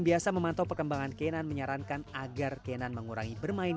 walaupun tak jarang ia diejek teman temannya akhirnya dia menemukan kemampuan